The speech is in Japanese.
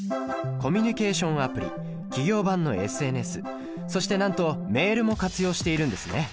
コミュニケーションアプリ企業版のＳＮＳそしてなんとメールも活用しているんですね。